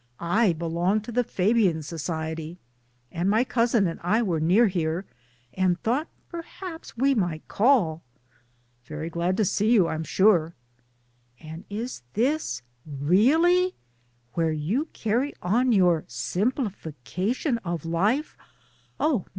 I belong to the Fabian Society. And my cousin and I were near here, and thought perhaps we might call." "Very glad to see you, I'm sure." *' And is this really where you carry on your Simplification of Life? Oh